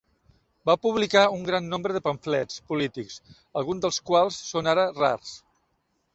Va publicar un gran nombre de pamflets polítics, alguns dels quals són ara rars.